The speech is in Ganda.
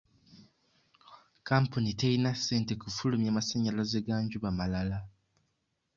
Kampuni terina ssente kufulumya masannyalaze ga njuba malala.